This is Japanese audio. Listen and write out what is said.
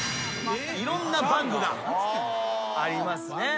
いろんなバングがありますね。